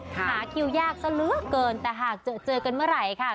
หาคิวยากซะเหลือเกินแต่หากเจอกันเมื่อไหร่ค่ะ